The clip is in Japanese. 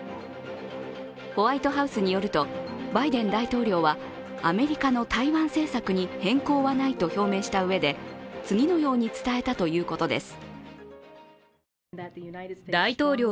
ホワイトハウスによると、バイデン大統領はアメリカの台湾政策に変更はないと表明したうえで次のように伝えたということです。